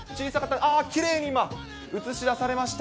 きれいに今、映し出されました。